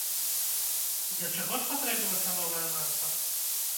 Для чаго спатрэбілася новая назва?